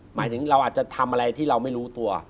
หมายถึงเราอาจจะทำอะไรที่เราไม่รู้ตัว